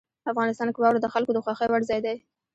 افغانستان کې واوره د خلکو د خوښې وړ ځای دی.